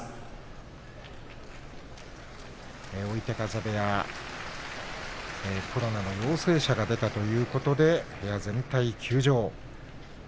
追手風部屋のコロナの陽性者が出たということで部屋全体が休場です。